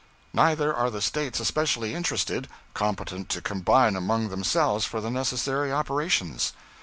Neither are the States especially interested competent to combine among themselves for the necessary operations.